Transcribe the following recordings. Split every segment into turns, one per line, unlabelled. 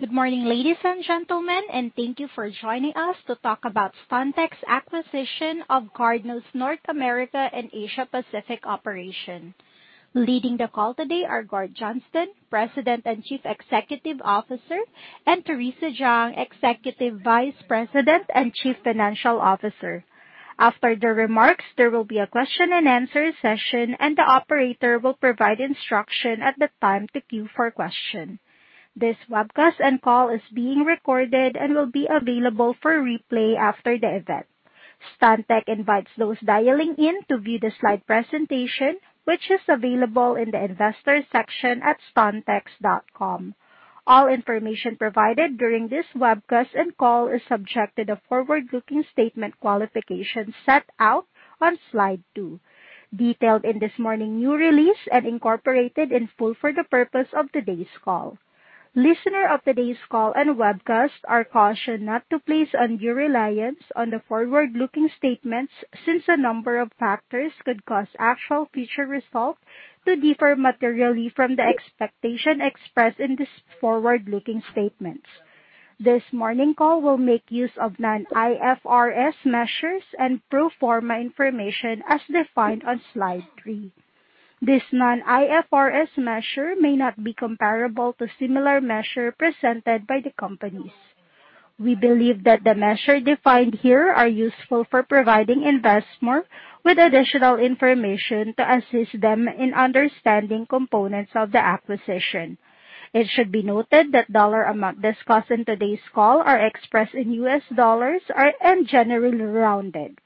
Good morning, ladies and gentlemen. Thank you for joining us to talk about Stantec's acquisition of Cardno's North America and Asia Pacific operations. Leading the call today are Gord Johnston, President and Chief Executive Officer, and Theresa Jang, Executive Vice President and Chief Financial Officer. After the remarks, there will be a question and answer session, and the operator will provide instruction at the time to queue for questions. This webcast and call is being recorded and will be available for replay after the event. Stantec invites those dialing in to view the slide presentation, which is available in the Investors section at stantec.com. All information provided during this webcast and call is subject to the forward-looking statement qualification set out on slide two, detailed in this morning news release and incorporated in full for the purpose of today's call. Listeners of today's call and webcast are cautioned not to place undue reliance on the forward-looking statements, since a number of factors could cause actual future results to differ materially from the expectations expressed in these forward-looking statements. This morning's call will make use of non-IFRS measures and pro forma information as defined on slide three. These non-IFRS measures may not be comparable to similar measures presented by the companies. We believe that the measures defined here are useful for providing investors with additional information to assist them in understanding components of the acquisition. It should be noted that dollar amounts discussed in today's call are expressed in US dollars. Generally rounded.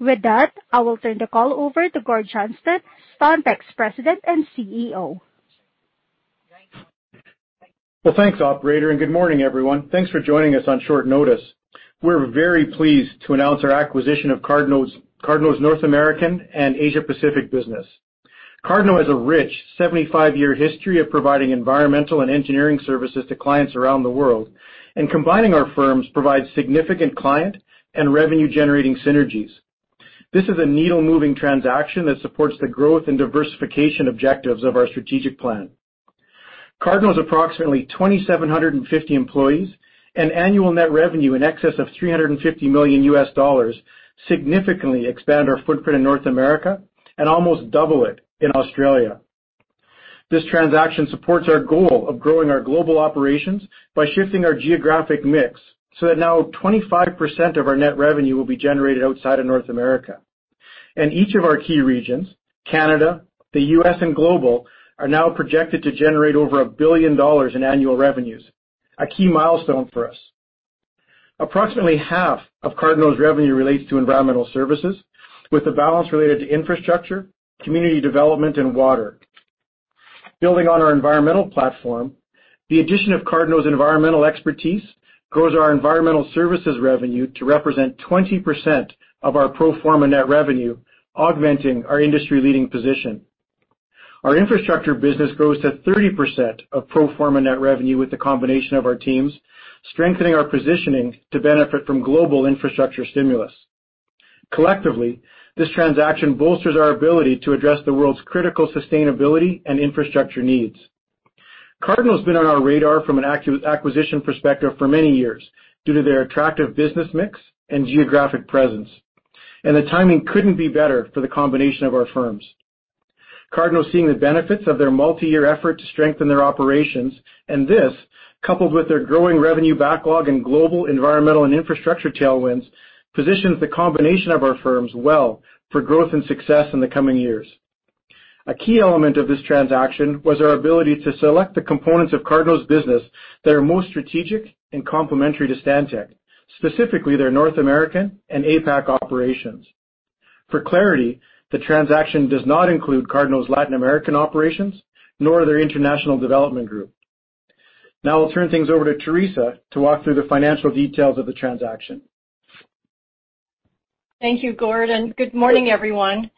With that, I will turn the call over to Gord Johnston, Stantec's President and CEO.
Thanks, operator, and good morning, everyone. Thanks for joining us on short notice. We're very pleased to announce our acquisition of Cardno's North American and Asia Pacific business. Cardno has a rich 75-year history of providing environmental and engineering services to clients around the world, and combining our firms provides significant client and revenue-generating synergies. This is a needle-moving transaction that supports the growth and diversification objectives of our strategic plan. Cardno's approximately 2,750 employees and annual net revenue in excess of $350 million significantly expand our footprint in North America and almost double it in Australia. This transaction supports our goal of growing our global operations by shifting our geographic mix so that now 25% of our net revenue will be generated outside of North America. Each of our key regions, Canada, the U.S., and global, are now projected to generate over 1 billion dollars in annual revenues, a key milestone for us. Approximately half of Cardno's revenue relates to environmental services, with the balance related to infrastructure, community development, and water. Building on our environmental platform, the addition of Cardno's environmental expertise grows our environmental services revenue to represent 20% of our pro forma net revenue, augmenting our industry-leading position. Our infrastructure business grows to 30% of pro forma net revenue with the combination of our teams, strengthening our positioning to benefit from global infrastructure stimulus. Collectively, this transaction bolsters our ability to address the world's critical sustainability and infrastructure needs. Cardno's been on our radar from an acquisition perspective for many years due to their attractive business mix and geographic presence, and the timing couldn't be better for the combination of our firms. Cardno's seeing the benefits of their multi-year effort to strengthen their operations, and this, coupled with their growing revenue backlog and global environmental and infrastructure tailwinds, positions the combination of our firms well for growth and success in the coming years. A key element of this transaction was our ability to select the components of Cardno's business that are most strategic and complementary to Stantec, specifically their North American and APAC operations. For clarity, the transaction does not include Cardno's Latin American operations, nor their international development group. Now I'll turn things over to Theresa to walk through the financial details of the transaction.
Thank you, Gord, and good morning, everyone.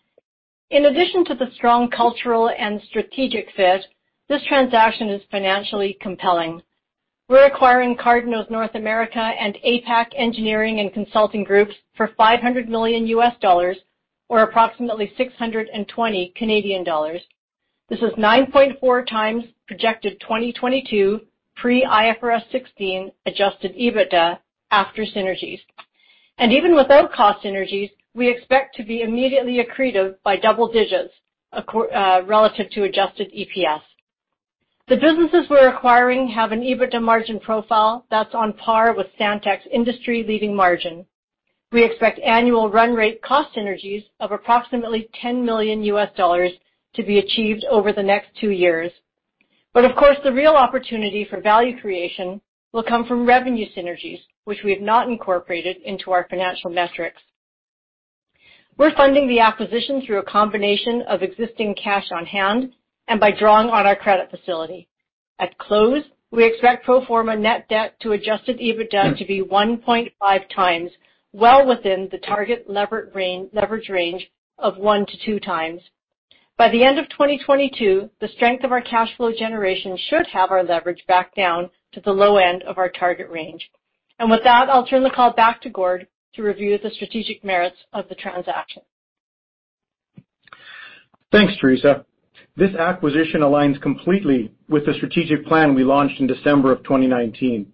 In addition to the strong cultural and strategic fit, this transaction is financially compelling. We're acquiring Cardno's North America and APAC Engineering and Consulting Groups for $500 million, or approximately CAD 620. This is 9.4x projected 2022 pre-IFRS 16 adjusted EBITDA after synergies. Even without cost synergies, we expect to be immediately accretive by double digits relative to adjusted EPS. The businesses we're acquiring have an EBITDA margin profile that's on par with Stantec's industry-leading margin. We expect annual run rate cost synergies of approximately $10 million to be achieved over the next 2 years. Of course, the real opportunity for value creation will come from revenue synergies, which we have not incorporated into our financial metrics. We're funding the acquisition through a combination of existing cash on hand and by drawing on our credit facility. At close, we expect pro forma net debt to adjusted EBITDA to be 1.5x, well within the target leverage range of 1 -2x. By the end of 2022, the strength of our cash flow generation should have our leverage back down to the low end of our target range. With that, I'll turn the call back to Gord to review the strategic merits of the transaction.
Thanks, Theresa. This acquisition aligns completely with the strategic plan we launched in December of 2019.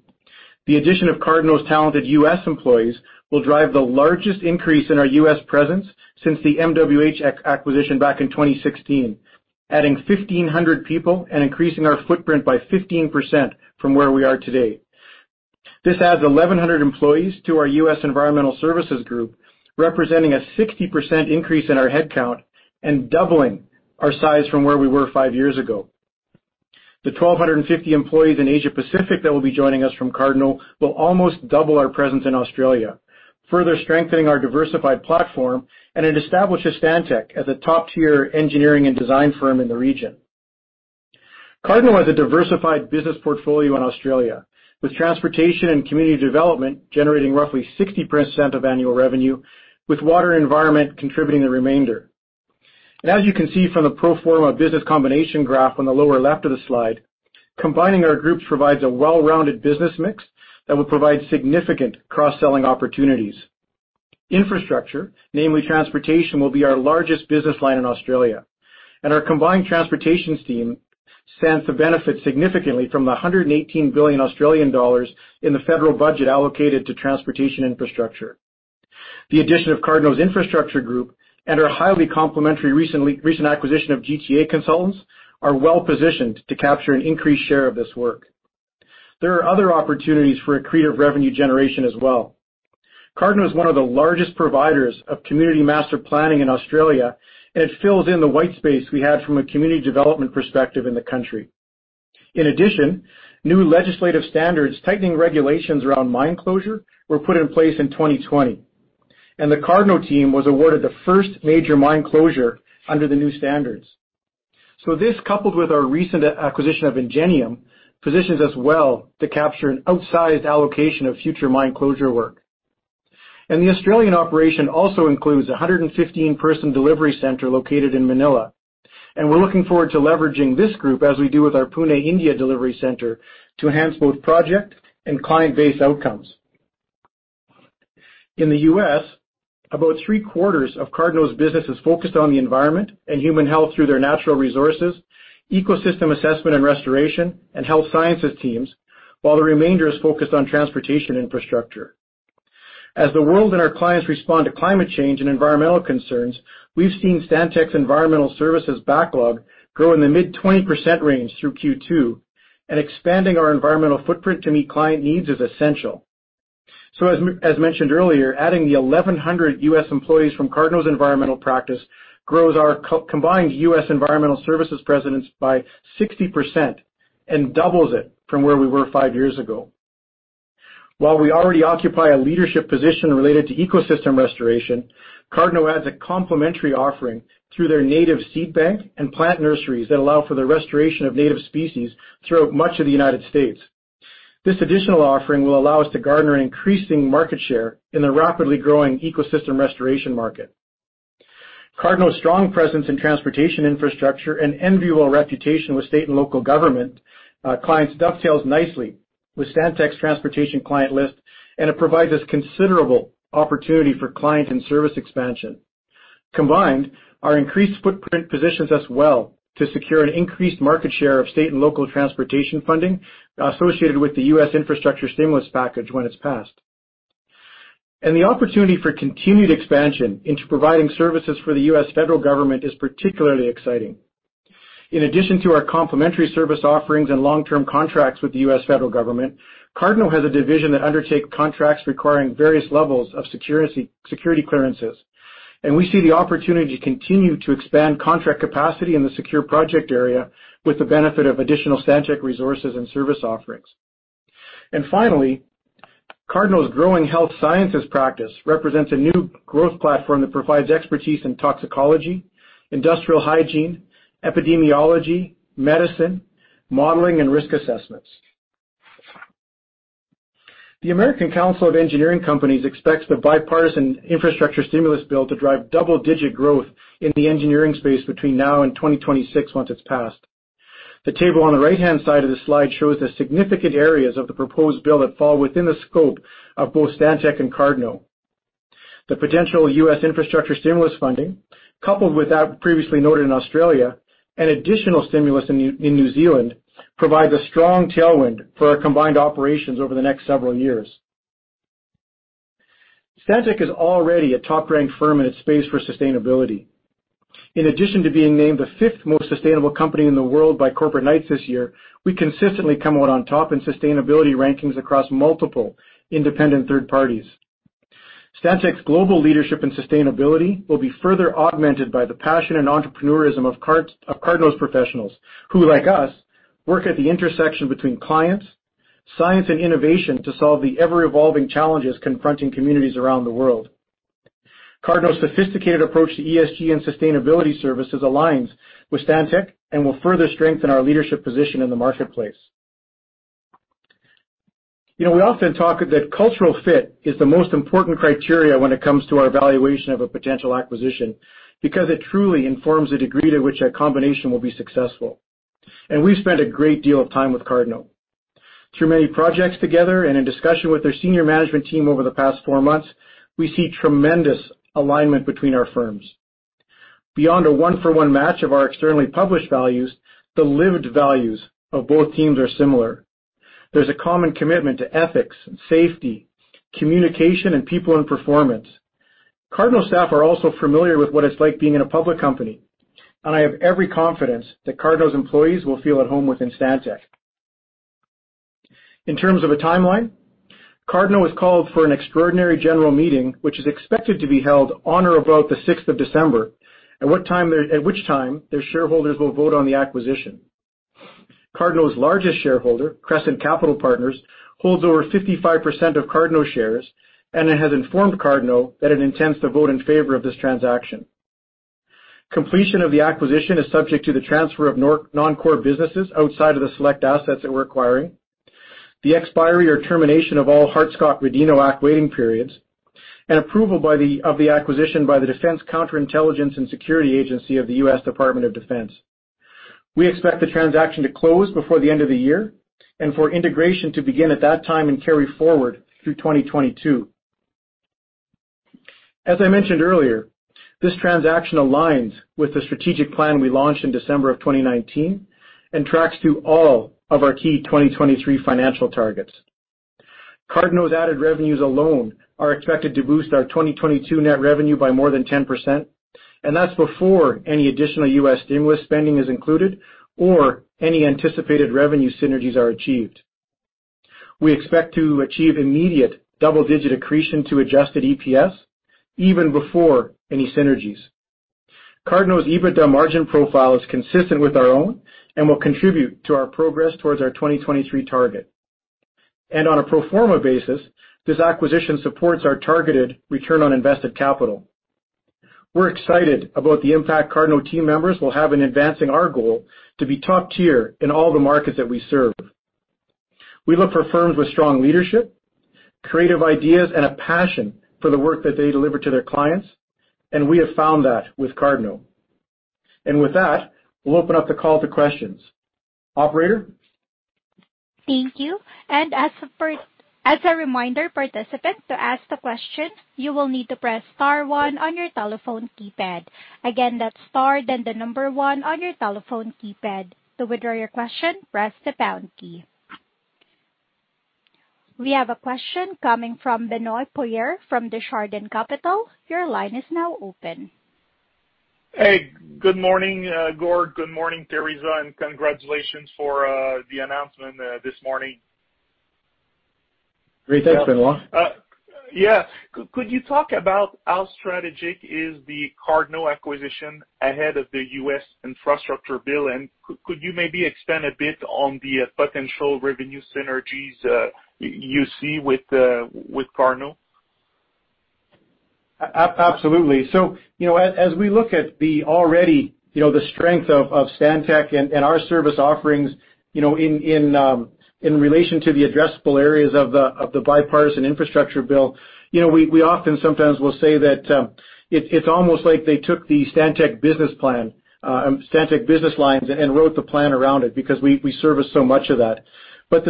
The addition of Cardno's talented US employees will drive the largest increase in our U.S., presence since the MWH acquisition back in 2016, adding 1,500 people and increasing our footprint by 15% from where we are today. This adds 1,100 employees to our US Environmental Services Group, representing a 60% increase in our headcount and doubling our size from where we were five years ago. The 1,250 employees in Asia Pacific that will be joining us from Cardno will almost double our presence in Australia, further strengthening our diversified platform, and it establishes Stantec as a top-tier engineering and design firm in the region. Cardno has a diversified business portfolio in Australia, with transportation and community development generating roughly 60% of annual revenue, with water and environment contributing the remainder. As you can see from the pro forma business combination graph on the lower left of the slide, combining our groups provides a well-rounded business mix that will provide significant cross-selling opportunities. Infrastructure, namely transportation, will be our largest business line in Australia, our combined transportations team stands to benefit significantly from the 118 billion Australian dollars in the Federal budget allocated to transportation infrastructure. The addition of Cardno's infrastructure group and our highly complementary recent acquisition of GTA Consultants are well-positioned to capture an increased share of this work. There are other opportunities for accretive revenue generation as well. Cardno is one of the largest providers of community master planning in Australia, it fills in the white space we had from a community development perspective in the country. In addition, new legislative standards tightening regulations around mine closure were put in place in 2020, and the Cardno team was awarded the first major mine closure under the new standards. This, coupled with our recent acquisition of Engenium, positions us well to capture an outsized allocation of future mine closure work. The Australian operation also includes a 115-person delivery center located in Manila, and we're looking forward to leveraging this group as we do with our Pune, India, delivery center to enhance both project and client base outcomes. In the U.S., about three-quarters of Cardno's business is focused on the environment and human health through their natural resources, ecosystem assessment and restoration, and health sciences teams, while the remainder is focused on transportation infrastructure. As the world and our clients respond to climate change and environmental concerns, we've seen Stantec's environmental services backlog grow in the mid-20% range through Q2, and expanding our environmental footprint to meet client needs is essential. As mentioned earlier, adding the 1,100 US employees from Cardno's environmental practice grows our combined US environmental services presence by 60% and doubles it from where we were five years ago. While we already occupy a leadership position related to ecosystem restoration, Cardno adds a complementary offering through their native seed bank and plant nurseries that allow for the restoration of native species throughout much of the United States. This additional offering will allow us to garner an increasing market share in the rapidly growing ecosystem restoration market. Cardno's strong presence in transportation infrastructure and enviable reputation with state and local government clients dovetails nicely with Stantec's transportation client list. It provides us considerable opportunity for client and service expansion. Combined, our increased footprint positions us well to secure an increased market share of state and local transportation funding associated with the US infrastructure stimulus package when it's passed. The opportunity for continued expansion into providing services for the U.S. Federal Government is particularly exciting. In addition to our complementary service offerings and long-term contracts with the U.S. Federal Government, Cardno has a division that undertakes contracts requiring various levels of security clearances. We see the opportunity to continue to expand contract capacity in the secure project area with the benefit of additional Stantec resources and service offerings. Finally, Cardno's growing health sciences practice represents a new growth platform that provides expertise in toxicology, industrial hygiene, epidemiology, medicine, modeling, and risk assessments. The American Council of Engineering Companies expects the bipartisan infrastructure stimulus bill to drive double-digit growth in the engineering space between now and 2026 once it's passed. The table on the right-hand side of the slide shows the significant areas of the proposed bill that fall within the scope of both Stantec and Cardno. The potential US infrastructure stimulus funding, coupled with that previously noted in Australia and additional stimulus in New Zealand, provides a strong tailwind for our combined operations over the next several years. Stantec is already a top-ranked firm in its space for sustainability. In addition to being named the fifth most sustainable company in the world by Corporate Knights this year, we consistently come out on top in sustainability rankings across multiple independent third parties. Stantec's global leadership in sustainability will be further augmented by the passion and entrepreneurism of Cardno's professionals, who, like us, work at the intersection between clients, science, and innovation to solve the ever-evolving challenges confronting communities around the world. Cardno's sophisticated approach to ESG and sustainability services aligns with Stantec and will further strengthen our leadership position in the marketplace. We often talk that cultural fit is the most important criteria when it comes to our evaluation of a potential acquisition because it truly informs the degree to which a combination will be successful. We've spent a great deal of time with Cardno. Through many projects together and in discussion with their senior management team over the past four months, we see tremendous alignment between our firms. Beyond a 1-for-1 match of our externally published values, the lived values of both teams are similar. There's a common commitment to ethics, safety, communication, and people and performance. Cardno staff are also familiar with what it's like being in a public company, and I have every confidence that Cardno's employees will feel at home within Stantec. In terms of a timeline, Cardno has called for an extraordinary general meeting, which is expected to be held on or about the 6th of December, at which time their shareholders will vote on the acquisition. Cardno's largest shareholder, Crescent Capital Partners, holds over 55% of Cardno shares and it has informed Cardno that it intends to vote in favor of this transaction. Completion of the acquisition is subject to the transfer of non-core businesses outside of the select assets that we're acquiring, the expiry or termination of all Hart-Scott-Rodino Act waiting periods, and approval of the acquisition by the Defense Counterintelligence and Security Agency of the U.S. Department of Defense. We expect the transaction to close before the end of the year and for integration to begin at that time and carry forward through 2022. As I mentioned earlier, this transaction aligns with the strategic plan we launched in December of 2019 and tracks to all of our key 2023 financial targets. Cardno's added revenues alone are expected to boost our 2022 net revenue by more than 10%, that's before any additional US stimulus spending is included or any anticipated revenue synergies are achieved. We expect to achieve immediate double-digit accretion to adjusted EPS even before any synergies. Cardno's EBITDA margin profile is consistent with our own and will contribute to our progress towards our 2023 target. On a pro forma basis, this acquisition supports our targeted return on invested capital. We're excited about the impact Cardno team members will have in advancing our goal to be top tier in all the markets that we serve. We look for firms with strong leadership, creative ideas, and a passion for the work that they deliver to their clients, we have found that with Cardno. With that, we'll open up the call to questions. Operator?
Thank you. As a reminder, participants, to ask the question, you will need to press star one on your telephone keypad. Again, that's star, then the number one on your telephone keypad. To withdraw your question, press the pound key. We have a question coming from Benoit Poirier from Desjardins Capital. Your line is now open.
Hey, good morning, Gord. Good morning, Theresa. Congratulations for the announcement this morning.
Great. Thanks, Benoit.
Yeah. Could you talk about how strategic is the Cardno acquisition ahead of the US infrastructure bill, and could you maybe expand a bit on the potential revenue synergies you see with Cardno?
Absolutely. As we look at the strength of Stantec and our service offerings in relation to the addressable areas of the bipartisan infrastructure bill, we often sometimes will say that it's almost like they took the Stantec business lines and wrote the plan around it because we service so much of that. The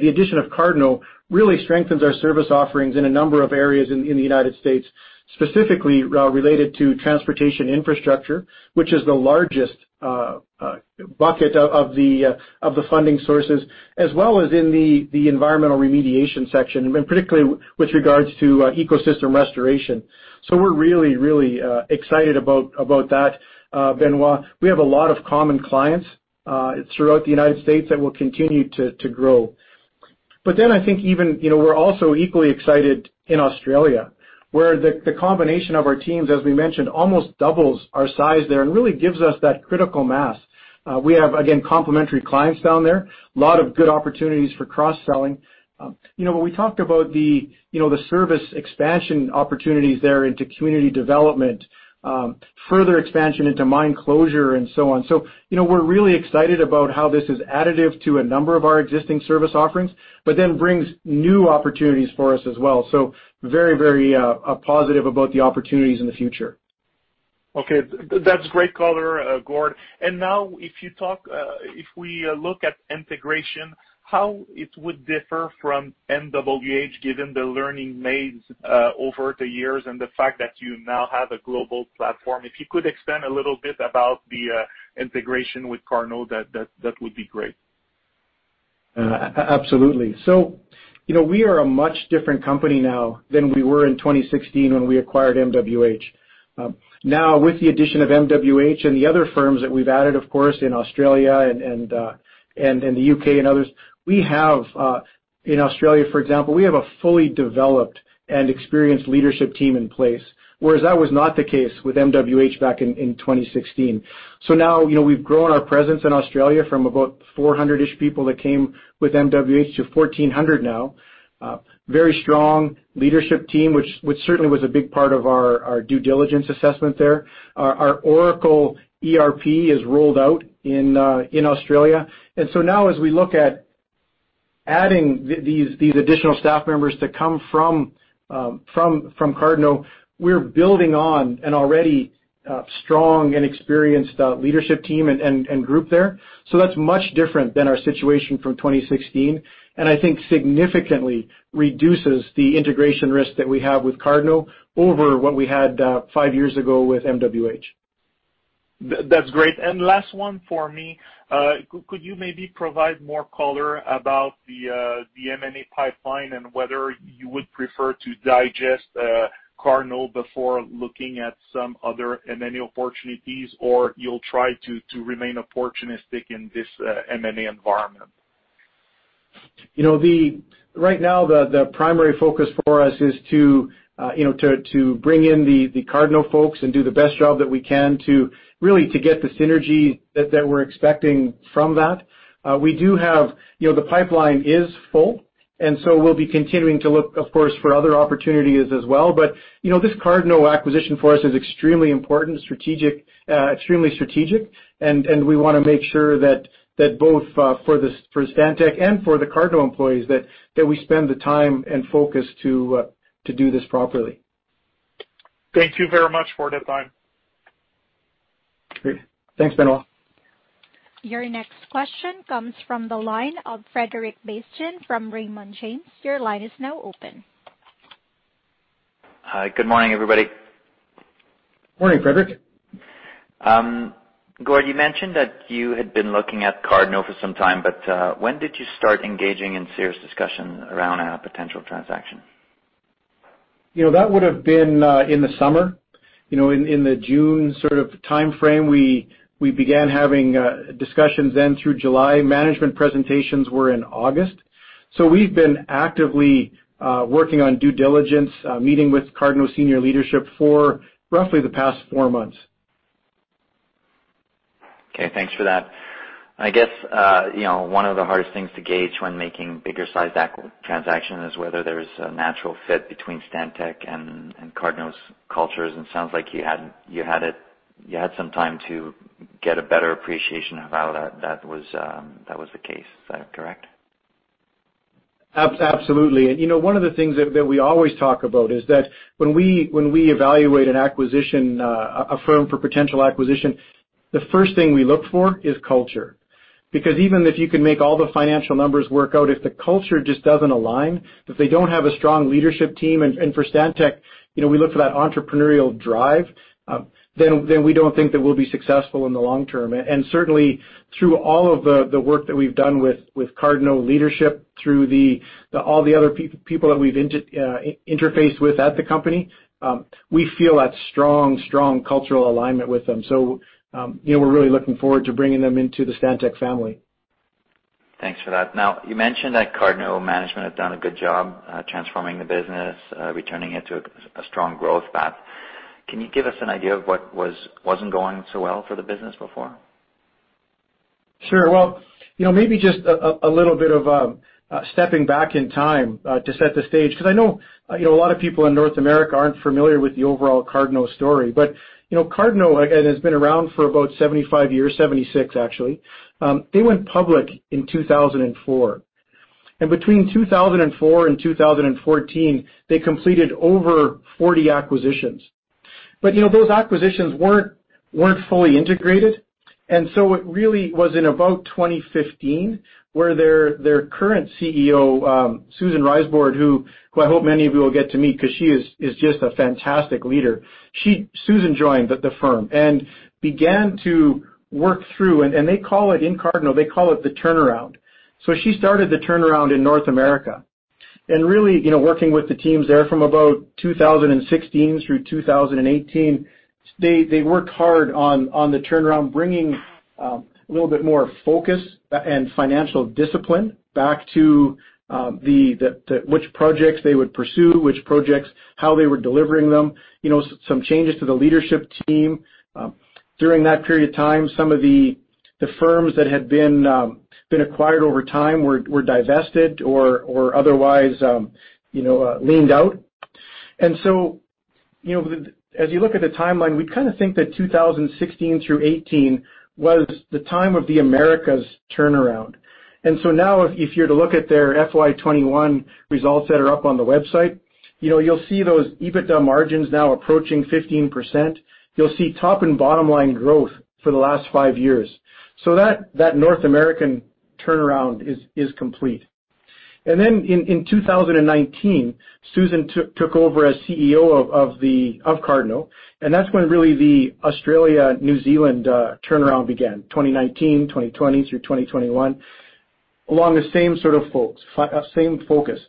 addition of Cardno really strengthens our service offerings in a number of areas in the United States, specifically related to transportation infrastructure, which is the largest bucket of the funding sources, as well as in the environmental remediation section, and particularly with regards to ecosystem restoration. We're really excited about that, Benoit. We have a lot of common clients throughout the United States that will continue to grow. I think we're also equally excited in Australia, where the combination of our teams, as we mentioned, almost doubles our size there and really gives us that critical mass. We have, again, complementary clients down there, a lot of good opportunities for cross-selling. When we talked about the service expansion opportunities there into community development, further expansion into mine closure and so on. We're really excited about how this is additive to a number of our existing service offerings, but then brings new opportunities for us as well. Very positive about the opportunities in the future.
Okay, that's great color, Gord. Now if we look at integration, how it would differ from MWH, given the learning made over the years and the fact that you now have a global platform. If you could expand a little bit about the integration with Cardno, that would be great.
Absolutely. We are a much different company now than we were in 2016 when we acquired MWH. Now with the addition of MWH and the other firms that we've added, of course, in Australia and the U.K., and others. In Australia, for example, we have a fully developed and experienced leadership team in place, whereas that was not the case with MWH back in 2016. Now, we've grown our presence in Australia from about 400-ish people that came with MWH to 1,400 now. Very strong leadership team, which certainly was a big part of our due diligence assessment there. Our Oracle ERP is rolled out in Australia. Now as we look at adding these additional staff members that come from Cardno, we're building on an already strong and experienced leadership team and group there. That's much different than our situation from 2016, and I think significantly reduces the integration risk that we have with Cardno over what we had five years ago with MWH.
That's great. Last one for me, could you maybe provide more color about the M&A pipeline and whether you would prefer to digest Cardno before looking at some other M&A opportunities, or you'll try to remain opportunistic in this M&A environment?
Right now, the primary focus for us is to bring in the Cardno folks and do the best job that we can to really get the synergy that we're expecting from that. The pipeline is full, we'll be continuing to look, of course, for other opportunities as well. This Cardno acquisition for us is extremely important, extremely strategic, and we want to make sure that both for Stantec and for the Cardno employees, that we spend the time and focus to do this properly.
Thank you very much [for the time.]
Great. Thanks, Benoit.
Your next question comes from the line of Frederic Bastien from Raymond James. Your line is now open.
Hi. Good morning, everybody.
Morning, Frederic.
Gord, you mentioned that you had been looking at Cardno for some time, but when did you start engaging in serious discussions around a potential transaction?
That would've been in the summer. In the June sort of timeframe, we began having discussions then through July. Management presentations were in August. We've been actively working on due diligence, meeting with Cardno senior leadership for roughly the past four months.
Okay. Thanks for that. I guess one of the hardest things to gauge when making bigger size transaction is whether there's a natural fit between Stantec and Cardno's cultures, and sounds like you had some time to get a better appreciation of how that was the case. Is that correct?
Absolutely. One of the things that we always talk about is that when we evaluate a firm for potential acquisition, the first thing we look for is culture. Even if you can make all the financial numbers work out, if the culture just doesn't align, if they don't have a strong leadership team, and for Stantec, we look for that entrepreneurial drive, then we don't think that we'll be successful in the long term. Certainly, through all of the work that we've done with Cardno leadership, through all the other people that we've interfaced with at the company, we feel that strong cultural alignment with them. We're really looking forward to bringing them into the Stantec family.
Thanks for that. You mentioned that Cardno management have done a good job transforming the business, returning it to a strong growth path. Can you give us an idea of what wasn't going so well for the business before?
Sure. Well, maybe just a little bit of stepping back in time to set the stage, because I know a lot of people in North America aren't familiar with the overall Cardno story. Cardno has been around for about 75 years, 76 actually. They went public in 2004, and between 2004 and 2014, they completed over 40 acquisitions. Those acquisitions weren't fully integrated. It really was in about 2015 where their current CEO, Susan Reisbord, who I hope many of you will get to meet because she is just a fantastic leader. Susan joined the firm and began to work through, and in Cardno they call it the turnaround. She started the turnaround in North America, and really working with the teams there from about 2016 through 2018, they worked hard on the turnaround, bringing a little bit more focus and financial discipline back to which projects they would pursue, how they were delivering them, some changes to the leadership team. During that period of time, some of the firms that had been acquired over time were divested or otherwise leaned out. As you look at the timeline, we kind of think that 2016 through 2018 was the time of the Americas turnaround. Now if you're to look at their FY 2021 results that are up on the website, you'll see those EBITDA margins now approaching 15%. You'll see top and bottom line growth for the last 5 years. That North American turnaround is complete. Then in 2019, Susan took over as CEO of Cardno, and that's when really the Australia, New Zealand turnaround began, 2019, 2020 through 2021, along the same focus,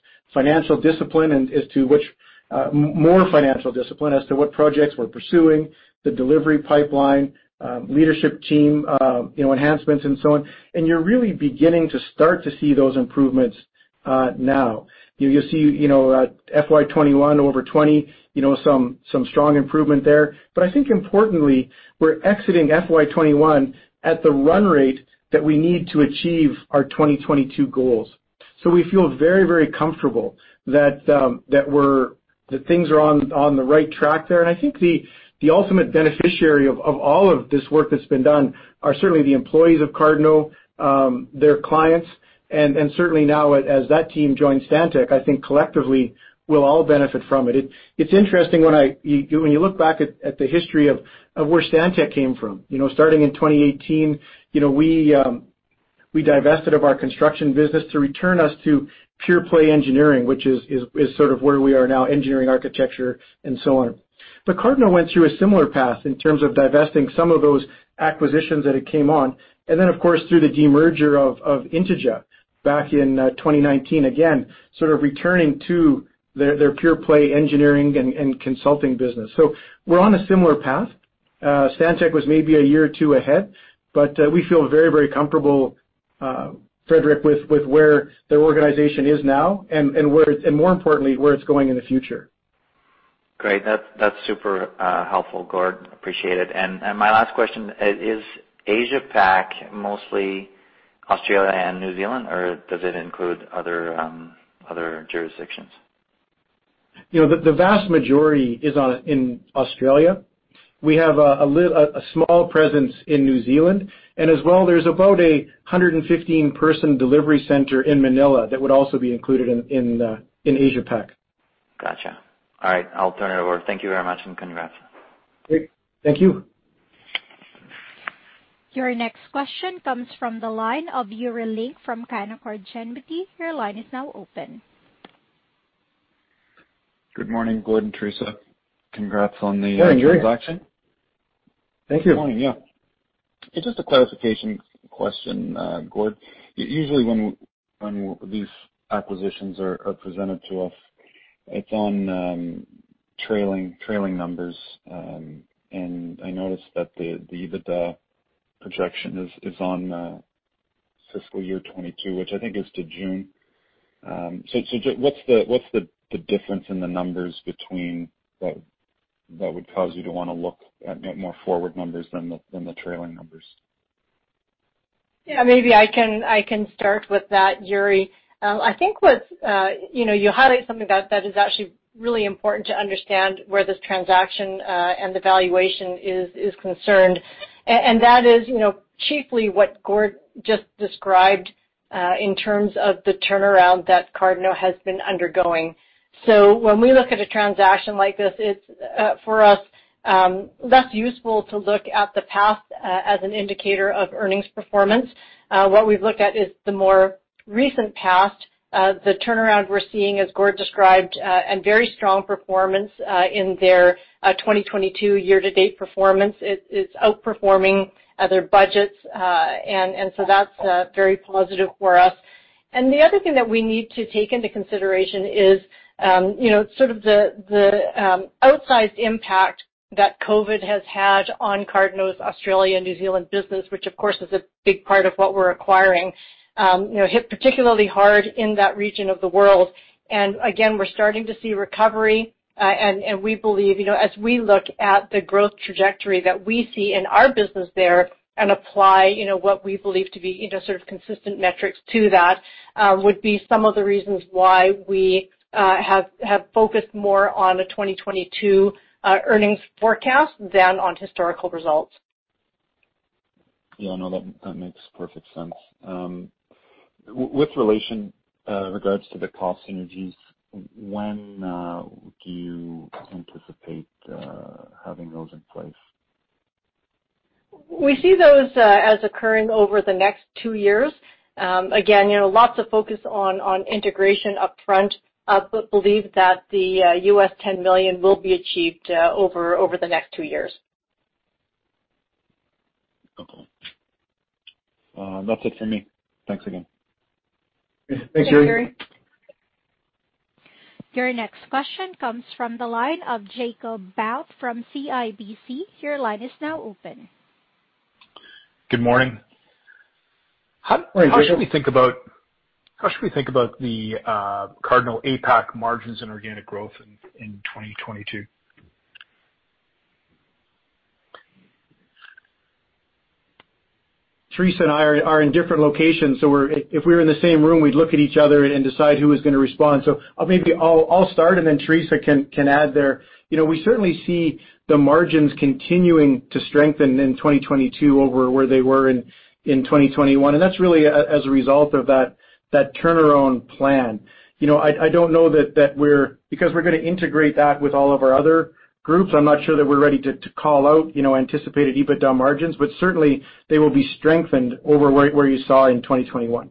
more financial discipline as to what projects we're pursuing, the delivery pipeline, leadership team enhancements and so on. You're really beginning to start to see those improvements now. You'll see FY 2021 over 2020, some strong improvement there. I think importantly, we're exiting FY 2021 at the run rate that we need to achieve our 2022 goals. We feel very, very comfortable that things are on the right track there. I think the ultimate beneficiary of all of this work that's been done are certainly the employees of Cardno, their clients, and certainly now as that team joins Stantec, I think collectively we'll all benefit from it. It's interesting when you look back at the history of where Stantec came from. Starting in 2018, we divested of our construction business to return us to pure-play engineering, which is sort of where we are now, engineering, architecture, and so on. Cardno went through a similar path in terms of divesting some of those acquisitions that it came on. Then, of course, through the demerger of Intega back in 2019, again, sort of returning to their pure-play engineering and consulting business. We're on a similar path. Stantec was maybe a year or two ahead, but we feel very, very comfortable, Frederic, with where the organization is now and more importantly, where it's going in the future.
Great. That's super helpful, Gord. Appreciate it. My last question, is Asia Pac mostly Australia and New Zealand, or does it include other jurisdictions?
The vast majority is in Australia. We have a small presence in New Zealand, and as well, there's about a 115 person delivery center in Manila that would also be included in Asia Pac.
Got you. All right, I'll turn it over. Thank you very much, and congrats.
Great. Thank you.
Your next question comes from the line of Yuri Lynk from Canaccord Genuity. Your line is now open.
Good morning, Gord and Theresa. Congrats on the.
Hi, Yuri.
transaction.
Thank you.
Good morning, yeah. It's just a clarification question, Gord. Usually when these acquisitions are presented to us, it's on trailing numbers. I noticed that the EBITDA projection is on fiscal year 2022, which I think is to June. Just what's the difference in the numbers between that would cause you to want to look at more forward numbers than the trailing numbers?
Yeah, maybe I can start with that, Yuri. I think you highlight something that is actually really important to understand where this transaction and the valuation is concerned, and that is chiefly what Gord just described in terms of the turnaround that Cardno has been undergoing. When we look at a transaction like this, it's for us, less useful to look at the past as an indicator of earnings performance. What we've looked at is the more recent past, the turnaround we're seeing as Gord described, and very strong performance in their 2022 year to date performance. It's outperforming other budgets, that's very positive for us. The other thing that we need to take into consideration is sort of the outsized impact that COVID has had on Cardno's Australia and New Zealand business, which of course is a big part of what we're acquiring, hit particularly hard in that region of the world. Again, we're starting to see recovery, and we believe as we look at the growth trajectory that we see in our business there and apply what we believe to be sort of consistent metrics to that, would be some of the reasons why we have focused more on the 2022 earnings forecast than on historical results.
Yeah, no, that makes perfect sense. With regards to the cost synergies, when do you anticipate having those in place?
We see those as occurring over the next two years. Again, lots of focus on integration upfront. Believe that the $10 million will be achieved over the next two years.
Okay. That's it for me. Thanks again.
Thanks, Yuri.
Thanks, Yuri.
Your next question comes from the line of Jacob Bout from CIBC. Your line is now open.
Good morning.
Morning, Jacob.
How should we think about the Cardno APAC margins and organic growth in 2022?
Theresa and I are in different locations, so if we were in the same room, we'd look at each other and decide who was going to respond. Maybe I'll start and then Theresa can add there. We certainly see the margins continuing to strengthen in 2022 over where they were in 2021, and that's really as a result of that turnaround plan. I don't know that we're because we're going to integrate that with all of our other groups, I'm not sure that we're ready to call out anticipated EBITDA margins, but certainly they will be strengthened over where you saw in 2021.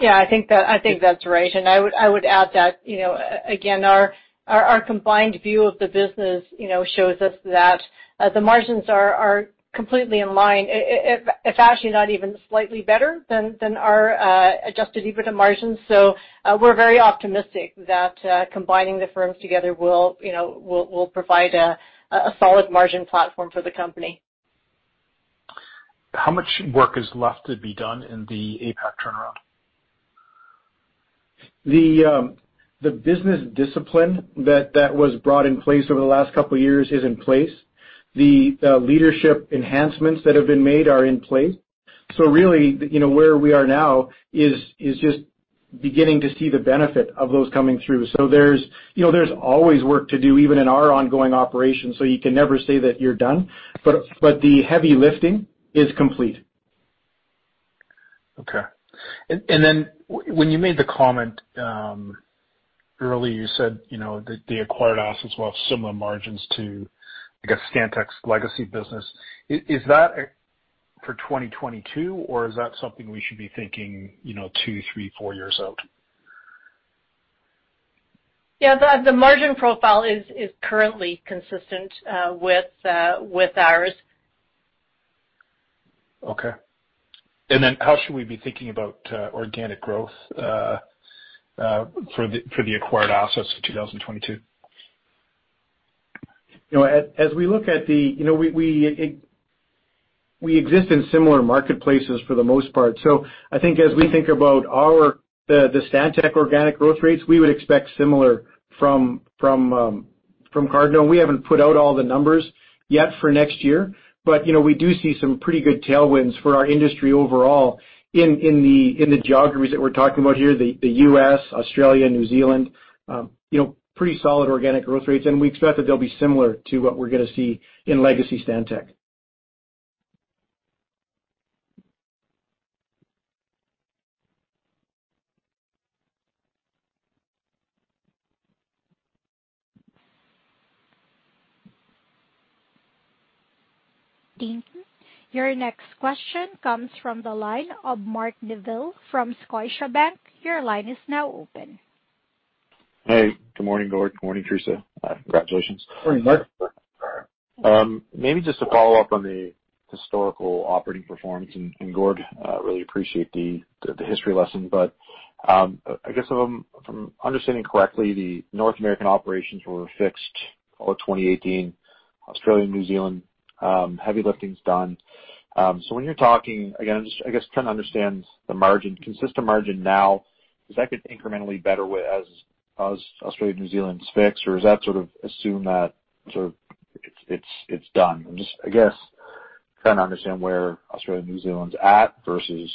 Yeah, I think that's right. I would add that, again, our combined view of the business shows us that the margins are completely in line, if actually not even slightly better than our adjusted EBITDA margins. We're very optimistic that combining the firms together will provide a solid margin platform for the company.
How much work is left to be done in the APAC turnaround?
The business discipline that was brought in place over the last couple of years is in place. The leadership enhancements that have been made are in place. Really, where we are now is just beginning to see the benefit of those coming through. There's always work to do, even in our ongoing operations. You can never say that you're done, but the heavy lifting is complete.
Okay. When you made the comment, earlier, you said, that the acquired assets will have similar margins to, I guess, Stantec's legacy business. Is that for 2022, or is that something we should be thinking two, three, four years out?
Yeah, the margin profile is currently consistent with ours.
Okay. Then how should we be thinking about organic growth for the acquired assets for 2022?
We exist in similar marketplaces for the most part. I think as we think about the Stantec organic growth rates, we would expect similar from Cardno. We haven't put out all the numbers yet for next year, but we do see some pretty good tailwinds for our industry overall in the geographies that we're talking about here, the U.S., Australia, New Zealand. Pretty solid organic growth rates, and we expect that they'll be similar to what we're going to see in legacy Stantec.
Thank you. Your next question comes from the line of Mark Neville from Scotiabank. Your line is now open.
Hey, good morning, Gord. Good morning, Theresa. Congratulations.
Morning, Mark.
Maybe just to follow up on the historical operating performance. Gord, really appreciate the history lesson, but I guess if I'm understanding correctly, the North American operations were fixed all of 2018. Australia and New Zealand, heavy lifting's done. When you're talking, again, just I guess trying to understand the margin, consistent margin now, is that get incrementally better as Australia, New Zealand's fixed, or is that sort of assume that it's done? I'm just, I guess, trying to understand where Australia, New Zealand's at versus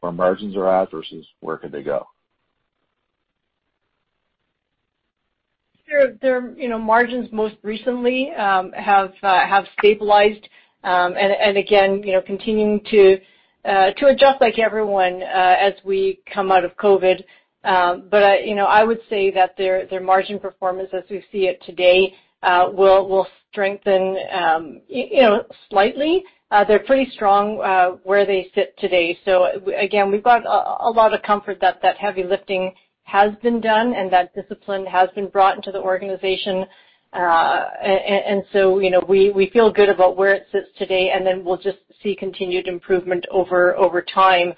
where margins are at, versus where could they go.
Their margins most recently have stabilized, and again, continuing to adjust like everyone as we come out of COVID. I would say that their margin performance as we see it today will strengthen slightly. They're pretty strong where they sit today. Again, we've got a lot of comfort that that heavy lifting has been done and that discipline has been brought into the organization. We feel good about where it sits today, and then we'll just see continued improvement over time.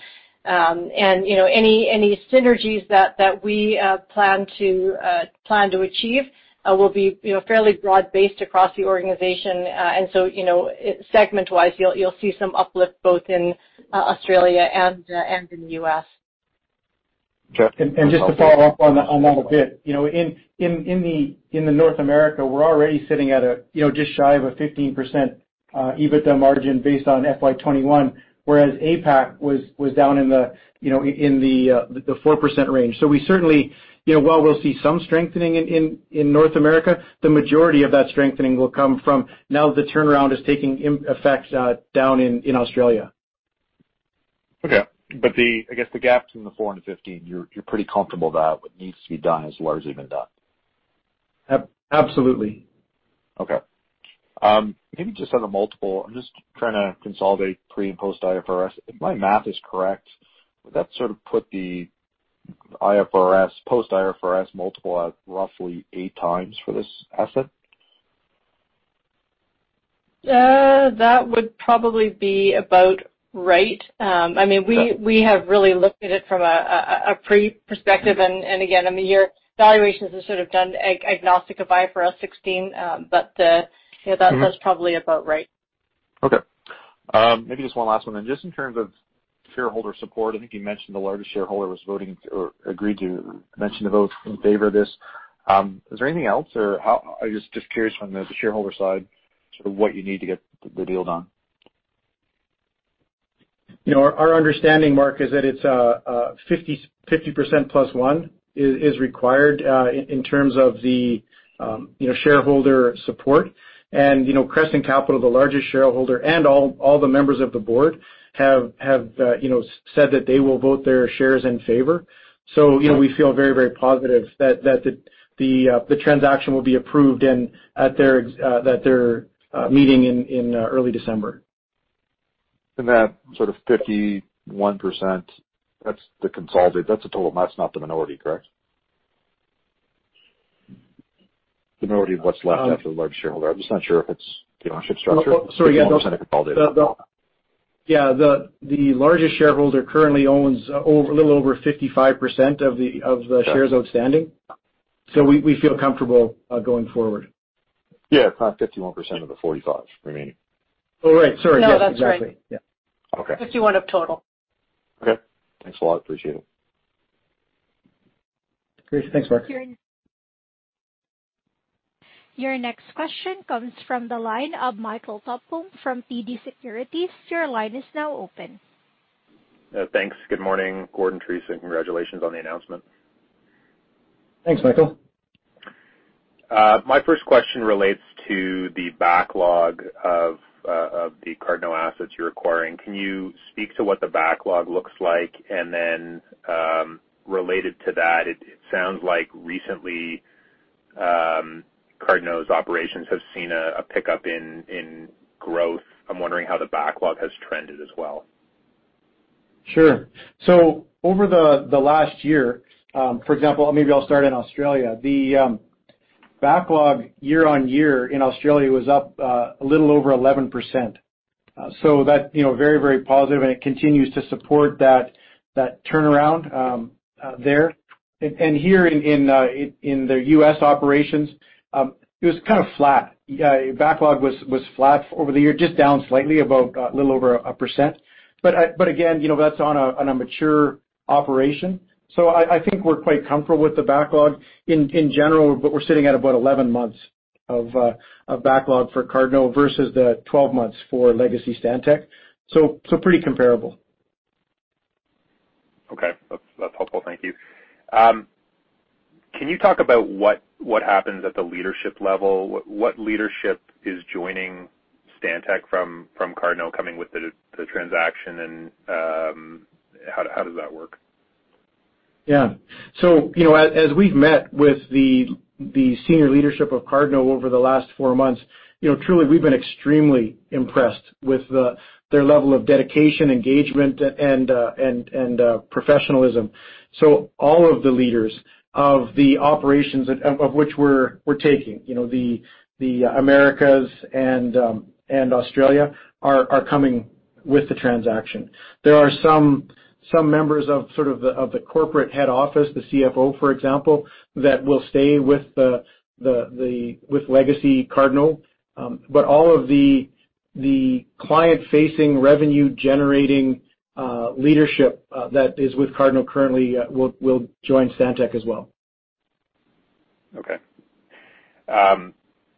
Any synergies that we plan to achieve will be fairly broad-based across the organization. Segment-wise, you'll see some uplift both in Australia and in the U.S.,
Okay.
Just to follow up on that a bit. In the North America, we're already sitting at just shy of a 15% EBITDA margin based on FY 2021, whereas APAC was down in the 4% range. We certainly, while we'll see some strengthening in North America, the majority of that strengthening will come from now the turnaround is taking effect down in Australia.
Okay. I guess the gap between the 4 and the 15, you're pretty comfortable that what needs to be done has largely been done?
Absolutely.
Okay. Maybe just on the multiple, I'm just trying to consolidate pre- and post-IFRS. If my math is correct, would that sort of put the post-IFRS multiple at roughly 8x for this asset?
That would probably be about right. We have really looked at it from a pre perspective. Again, your valuations are sort of done agnostic of IFRS 16. That's probably about right.
Okay. Maybe just one last one. Just in terms of shareholder support, I think you mentioned the largest shareholder agreed to mention the vote in favor of this. Is there anything else? I'm just curious from the shareholder side, sort of what you need to get the deal done.
Our understanding, Mark, is that it's 50%+ one is required in terms of the shareholder support. Crescent Capital, the largest shareholder, and all the members of the board have said that they will vote their shares in favor. We feel very positive that the transaction will be approved at their meeting in early December.
That sort of 51%, that's the consolidated, that's the total, and that's not the minority, correct? The minority of what's left after the largest shareholder. I'm just not sure if it's the ownership structure.
The largest shareholder currently owns a little over 55% of the shares outstanding. We feel comfortable going forward.
Yeah, 51% of the 45 remaining.
Oh, right. Sorry. Yes, exactly.
No, that's right.
Yeah. Okay.
51 of total.
Okay. Thanks a lot. Appreciate it.
Great. Thanks, Mark.
Your next question comes from the line of Michael Tupholme from TD Securities. Your line is now open.
Thanks. Good morning, Gordon, Theresa, and congratulations on the announcement.
Thanks, Michael.
My first question relates to the backlog of the Cardno assets you're acquiring. Can you speak to what the backlog looks like? Related to that, it sounds like recently, Cardno's operations have seen a pickup in growth. I'm wondering how the backlog has trended as well.
Sure. Over the last year, for example, maybe I'll start in Australia. The backlog year-on-year in Australia was up a little over 11%. That, very positive, and it continues to support that turnaround there. Here in the US operations, it was kind of flat. Backlog was flat over the year, just down slightly, about a little over 1%. Again, that's on a mature operation. I think we're quite comfortable with the backlog in general, but we're sitting at about 11 months of backlog for Cardno versus the 12 months for legacy Stantec. Pretty comparable.
Okay. That's helpful. Thank you. Can you talk about what happens at the leadership level? What leadership is joining Stantec from Cardno coming with the transaction, and how does that work?
Yeah. As we've met with the senior leadership of Cardno over the last four months, truly, we've been extremely impressed with their level of dedication, engagement, and professionalism. All of the leaders of the operations of which we're taking, the Americas and Australia, are coming with the transaction. There are some members of the corporate head office, the CFO, for example, that will stay with legacy Cardno. All of the client-facing, revenue-generating leadership that is with Cardno currently will join Stantec as well.
Okay.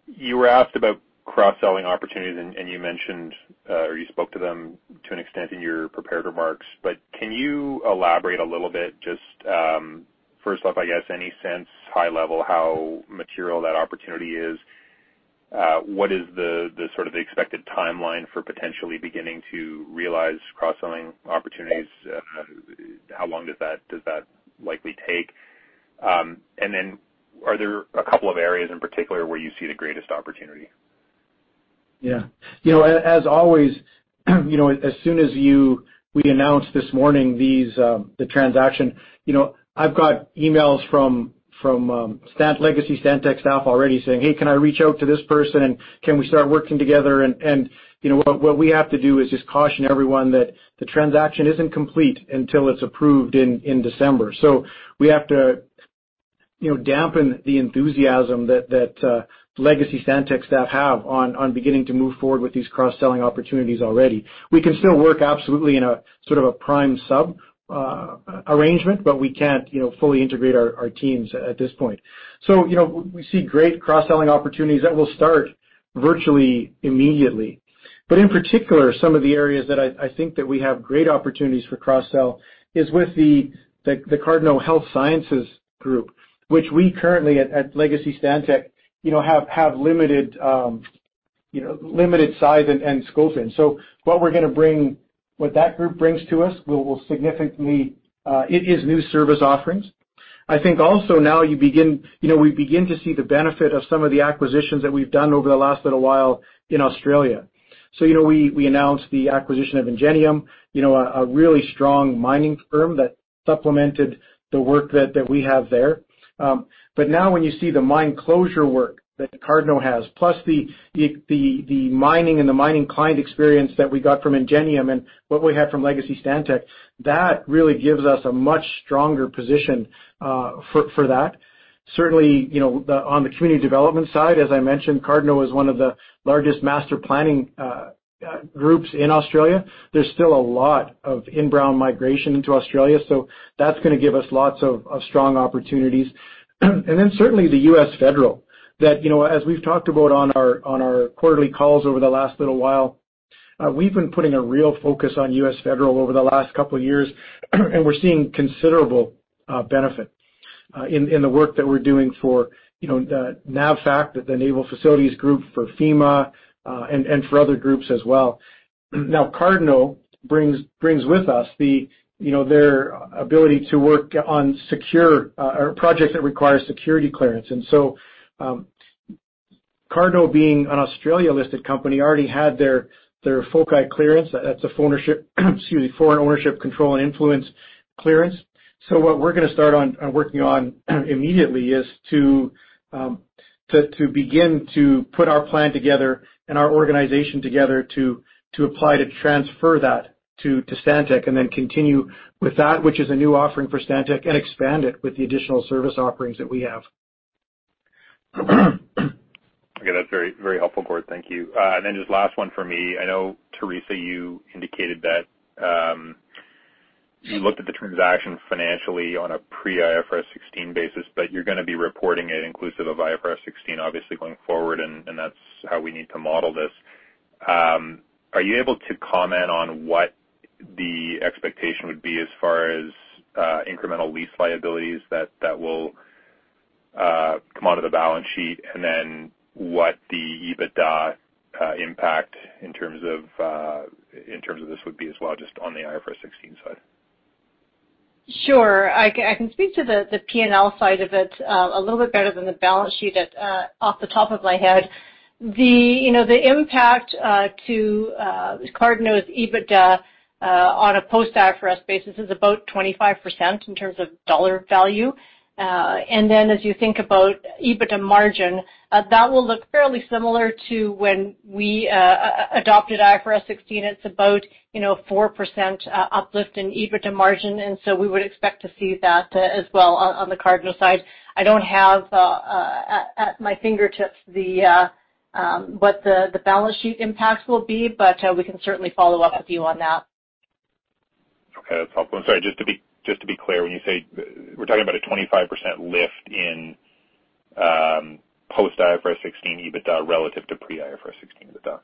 You were asked about cross-selling opportunities, and you mentioned, or you spoke to them to an extent in your prepared remarks. Can you elaborate a little bit, just first off, I guess, any sense, high level, how material that opportunity is? What is the expected timeline for potentially beginning to realize cross-selling opportunities? How long does that likely take? Are there a couple of areas in particular where you see the greatest opportunity?
Yeah. As always, as soon as we announced this morning the transaction, I've got emails from legacy Stantec staff already saying, "Hey, can I reach out to this person? Can we start working together?" What we have to do is just caution everyone that the transaction isn't complete until it's approved in December. We have to dampen the enthusiasm that legacy Stantec staff have on beginning to move forward with these cross-selling opportunities already. We can still work absolutely in a sort of a prime sub arrangement, but we can't fully integrate our teams at this point. We see great cross-selling opportunities that will start virtually immediately. In particular, some of the areas that I think that we have great opportunities for cross-sell is with the Cardno Health Sciences Group, which we currently at legacy Stantec have limited size and scope in. What that group brings to us will significantly. It is new service offerings. I think also now we begin to see the benefit of some of the acquisitions that we've done over the last little while in Australia. We announced the acquisition of Engenium, a really strong mining firm that supplemented the work that we have there. Now when you see the mine closure work that Cardno has, plus the mining and the mining client experience that we got from Engenium and what we have from legacy Stantec, that really gives us a much stronger position for that. On the community development side, as I mentioned, Cardno is one of the largest master planning groups in Australia. There's still a lot of inbound migration into Australia, so that's going to give us lots of strong opportunities. Certainly the U.S. Federal that, as we've talked about on our quarterly calls over the last little while, we've been putting a real focus on U.S. Federal over the last couple of years, and we're seeing considerable benefit in the work that we're doing for the NAVFAC, the Naval Facilities group, for FEMA, and for other groups as well. Cardno brings with us their ability to work on projects that require security clearance. Cardno, being an Australia-listed company, already had their FOCI clearance. That's a foreign ownership control and influence clearance. What we're going to start on working on immediately is to begin to put our plan together and our organization together to apply to transfer that to Stantec and then continue with that, which is a new offering for Stantec, and expand it with the additional service offerings that we have.
Okay. That's very helpful, Gord. Thank you. Then just last one for me. I know, Theresa, you indicated that you looked at the transaction financially on a pre-IFRS 16 basis, but you're going to be reporting it inclusive of IFRS 16 obviously going forward, and that's how we need to model this. Are you able to comment on what the expectation would be as far as incremental lease liabilities that will come out of the balance sheet, and then what the EBITDA impact in terms of this would be as well, just on the IFRS 16 side?
Sure. I can speak to the P&L side of it a little bit better than the balance sheet off the top of my head. The impact to Cardno's EBITDA, on a post IFRS basis, is about 25% in terms of dollar value. As you think about EBITDA margin, that will look fairly similar to when we adopted IFRS 16. It's about 4% uplift in EBITDA margin, and so we would expect to see that as well on the Cardno side. I don't have at my fingertips what the balance sheet impacts will be, but we can certainly follow up with you on that.
Okay. That's helpful. Sorry, just to be clear, when you say We're talking about a 25% lift in post IFRS 16 EBITDA relative to pre IFRS 16 EBITDA.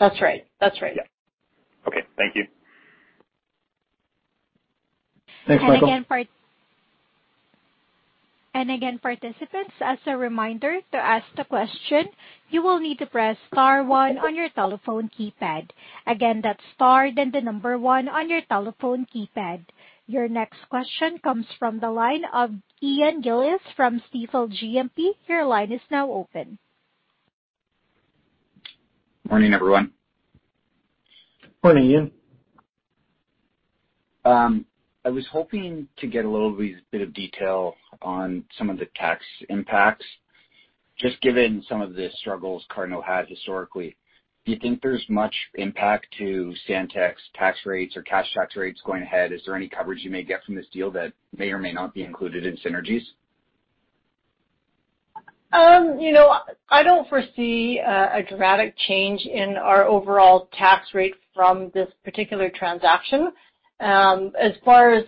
That's right.
Yeah. Okay. Thank you.
Thanks, Michael.
Again, participants, as a reminder, to ask the question, you will need to press star one on your telephone keypad. Again, that's star, then the number one on your telephone keypad. Your next question comes from the line of Ian Gillies from Stifel GMP. Your line is now open.
Morning, everyone.
Morning, Ian.
I was hoping to get a little bit of detail on some of the tax impacts. Just given some of the struggles Cardno had historically, do you think there's much impact to Stantec's tax rates or cash tax rates going ahead? Is there any coverage you may get from this deal that may or may not be included in synergies?
I don't foresee a dramatic change in our overall tax rate from this particular transaction. As far as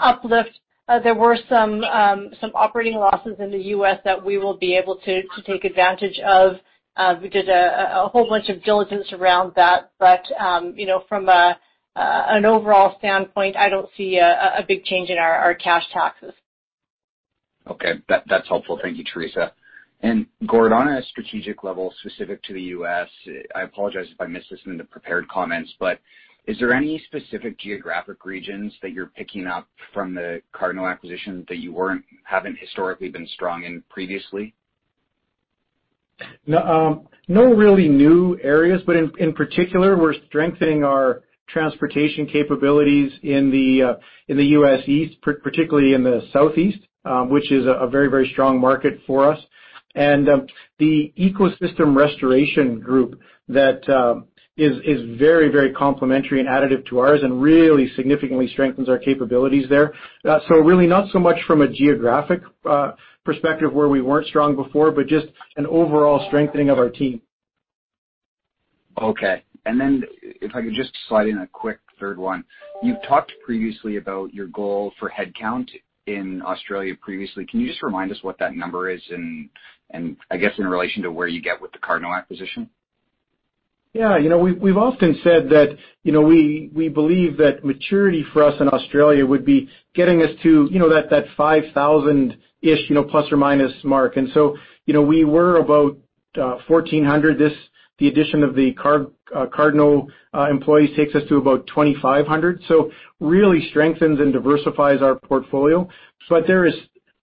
uplift, there were some operating losses in the U.S., that we will be able to take advantage of. We did a whole bunch of diligence around that. From an overall standpoint, I don't see a big change in our cash taxes.
Okay. That's helpful. Thank you, Theresa. Gord, on a strategic level specific to the U.S., I apologize if I missed this in the prepared comments, but is there any specific geographic regions that you're picking up from the Cardno acquisition that you haven't historically been strong in previously?
No really new areas, but in particular, we're strengthening our transportation capabilities in the US East, particularly in the Southeast, which is a very strong market for us. The ecosystem restoration group that is very complementary and additive to ours and really significantly strengthens our capabilities there. Really, not so much from a geographic perspective where we weren't strong before, but just an overall strengthening of our team.
Okay. If I could just slide in a quick third one. You've talked previously about your goal for headcount in Australia previously. Can you just remind us what that number is in, I guess, in relation to where you get with the Cardno acquisition?
Yeah. We've often said that we believe that maturity for us in Australia would be getting us to that 5,000-ish, plus or minus mark. We were about 1,400. The addition of the Cardno employees takes us to about 2,500, so really strengthens and diversifies our portfolio.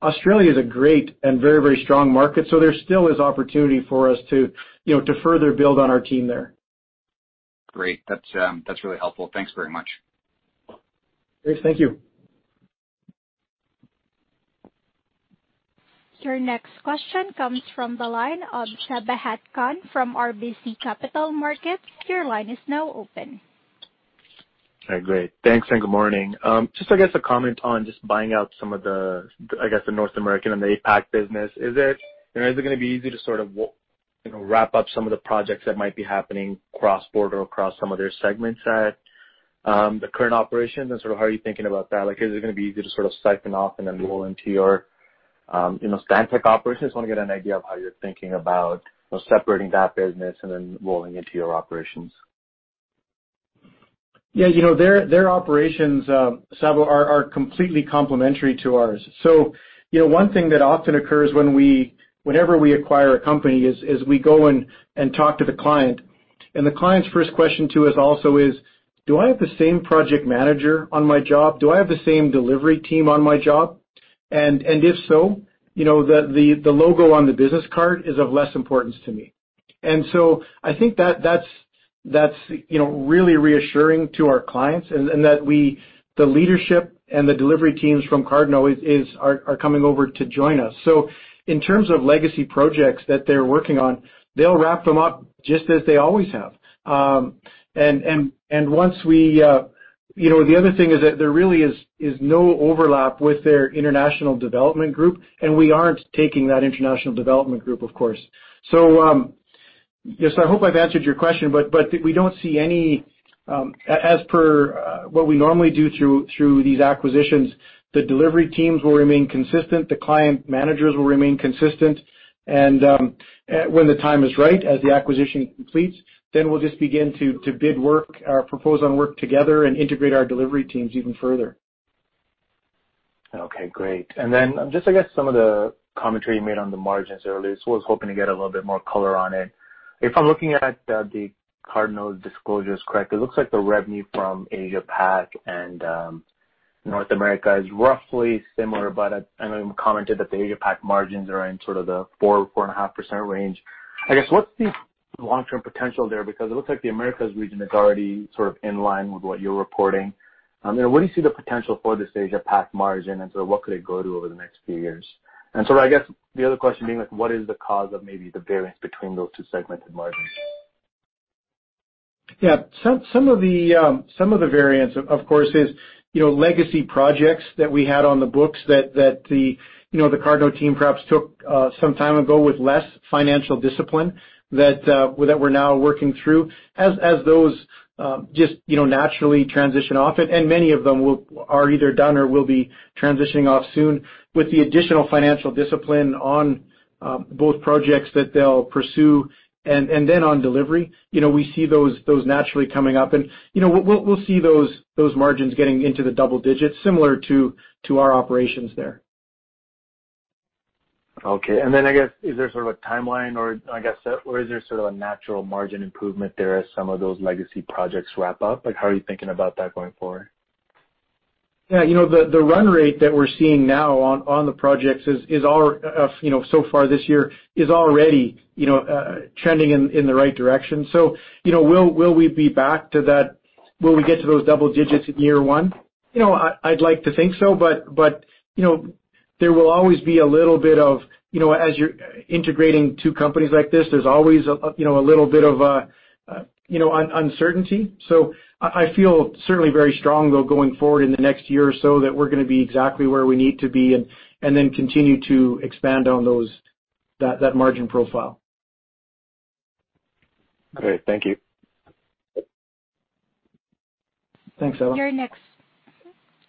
Australia is a great and very strong market, so there still is opportunity for us to further build on our team there.
Great. That's really helpful. Thanks very much.
Great. Thank you.
Your next question comes from the line of Sabahat Khan from RBC Capital Markets. Your line is now open.
Okay, great. Thanks and good morning. Just, I guess a comment on just buying out some of the, I guess, the North American and the APAC business. Is it going to be easy to sort of wrap up some of the projects that might be happening cross-border across some of their segments at the current operations, and sort of how are you thinking about that? Is it going to be easy to sort of siphon off and then roll into your Stantec operations? I just want to get an idea of how you're thinking about separating that business and then rolling into your operations.
Their operations, Sabahat Khan, are completely complementary to ours. One thing that often occurs whenever we acquire a company is we go and talk to the client. The client's first question to us also is, do I have the same project manager on my job? Do I have the same delivery team on my job? If so, the logo on the business card is of less importance to me. I think that's really reassuring to our clients and that the leadership and the delivery teams from Cardno are coming over to join us. In terms of legacy projects that they're working on, they'll wrap them up just as they always have. The other thing is that there really is no overlap with their international development group, and we aren't taking that international development group, of course. Yes, I hope I've answered your question. As per what we normally do through these acquisitions, the delivery teams will remain consistent, the client managers will remain consistent, and when the time is right, as the acquisition completes, then we'll just begin to bid work, propose on work together, and integrate our delivery teams even further.
Okay, great. Just I guess some of the commentary you made on the margins earlier, so I was hoping to get a little bit more color on it. If I'm looking at the Cardno disclosures correctly, it looks like the revenue from Asia Pac and North America is roughly similar. I know you commented that the Asia Pac margins are in sort of the 4%, 4.5% range. I guess, what's the long-term potential there? Because it looks like the Americas region is already sort of in line with what you're reporting. Where do you see the potential for this Asia Pac margin, and what could it grow to over the next few years? I guess the other question being, what is the cause of maybe the variance between those two segmented margins?
Yeah. Some of the variance, of course, is legacy projects that we had on the books that the Cardno team perhaps took some time ago with less financial discipline that we're now working through. As those just naturally transition off it, and many of them are either done or will be transitioning off soon. With the additional financial discipline on both projects that they'll pursue and then on delivery, we see those naturally coming up. We'll see those margins getting into the double digits similar to our operations there.
Okay. I guess, is there sort of a timeline, or I guess, or is there sort of a natural margin improvement there as some of those legacy projects wrap up? How are you thinking about that going forward?
Yeah. The run rate that we're seeing now on the projects so far this year is already trending in the right direction. Will we get to those double digits in year 1? I'd like to think so, but there will always be a little bit of, as you're integrating two companies like this, there's always a little bit of uncertainty. I feel certainly very strong, though, going forward in the next year or so that we're going to be exactly where we need to be and then continue to expand on that margin profile.
Great. Thank you.
Thanks, [Khan.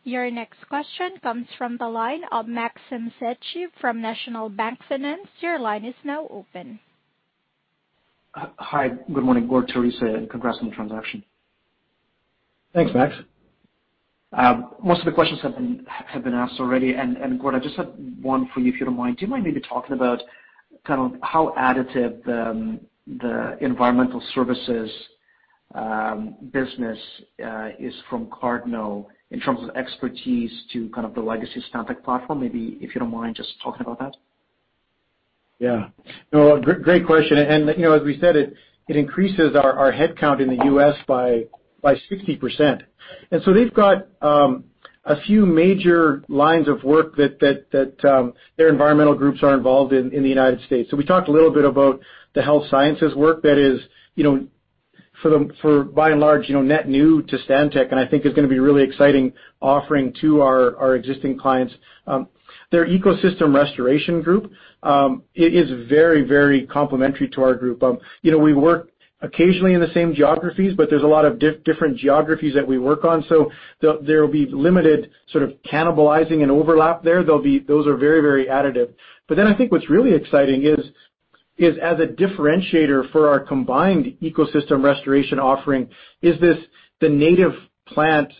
Your next question comes from the line of Maxim Sytchev from National Bank Financial. Your line is now open.
Hi. Good morning, Gord, Theresa, and congrats on the transaction.
Thanks, Max.
Most of the questions have been asked already. Gord, I just have one for you, if you don't mind. Do you mind maybe talking about how additive the environmental services business is from Cardno in terms of expertise to kind of the legacy Stantec platform? Maybe if you don't mind just talking about that.
Yeah. No, great question. As we said, it increases our headcount in the U.S., by 60%. They've got a few major lines of work that their environmental groups are involved in in the United States. We talked a little bit about the health sciences work that is, by and large, net new to Stantec, and I think is going to be a really exciting offering to our existing clients. Their ecosystem restoration group, it is very complementary to our group. We work occasionally in the same geographies, there's a lot of different geographies that we work on, there'll be limited sort of cannibalizing and overlap there. Those are very additive. I think what's really exciting is as a differentiator for our combined ecosystem restoration offering is the native plant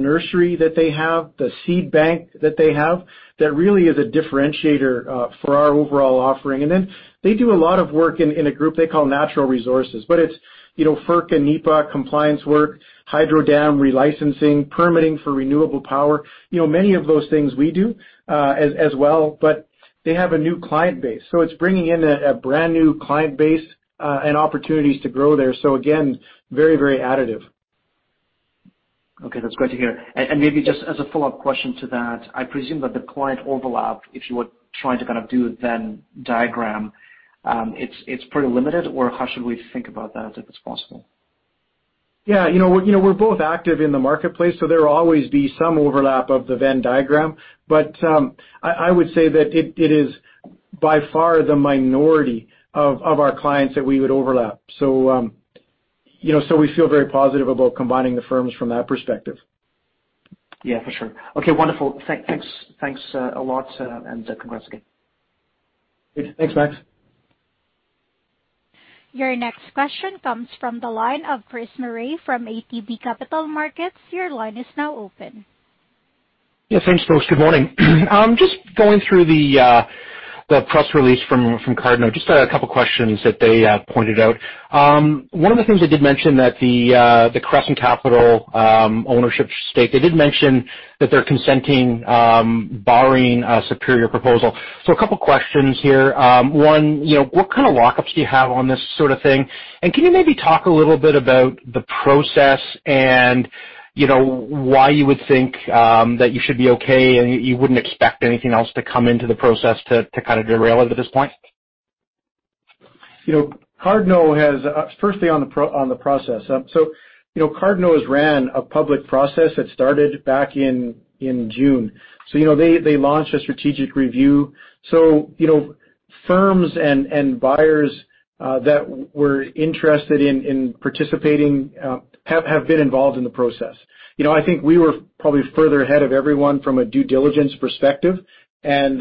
nursery that they have, the seed bank that they have. That really is a differentiator for our overall offering. They do a lot of work in a group they call natural resources, but it's FERC and NEPA compliance work, hydro dam relicensing, permitting for renewable power. Many of those things we do as well, but they have a new client base. It's bringing in a brand-new client base and opportunities to grow there. Again, very additive.
Okay, that's great to hear. Maybe just as a follow-up question to that, I presume that the client overlap, if you were trying to kind of do the Venn diagram, it's pretty limited, or how should we think about that, if it's possible?
Yeah. We're both active in the marketplace, so there will always be some overlap of the Venn diagram. I would say that it is by far the minority of our clients that we would overlap. We feel very positive about combining the firms from that perspective.
Yeah, for sure. Okay, wonderful. Thanks a lot. Congrats again.
Great. Thanks, Max.
Your next question comes from the line of Chris Murray from ATB Capital Markets. Your line is now open.
Yeah. Thanks, folks. Good morning. Just going through the press release from Cardno, just a couple of questions that they pointed out. One of the things they did mention that the Crescent Capital ownership stake, they did mention that they're consenting, barring a superior proposal. A couple of questions here. One, what kind of lockups do you have on this sort of thing? Can you maybe talk a little bit about the process and why you would think that you should be okay and you wouldn't expect anything else to come into the process to kind of derail it at this point?
Firstly on the process. Cardno has ran a public process that started back in June. They launched a strategic review. Firms and buyers that were interested in participating have been involved in the process. I think we were probably further ahead of everyone from a due diligence perspective. That's